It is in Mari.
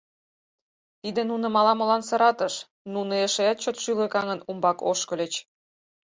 Тиде нуным ала-молан сыратыш, нуно, эшеат чот шӱлыкаҥын, умбак ошкыльыч.